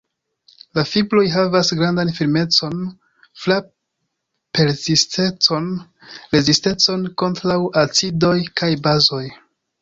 La fibroj havas grandan firmecon, frap-persistecon, rezistecon kontraŭ acidoj kaj bazoj.